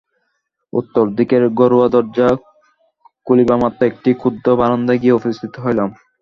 উত্তরদিকের ঘরের দরজা খুলিবামাত্র একটি ক্ষুদ্র বারান্দায় গিয়া উপস্থিত হইলাম।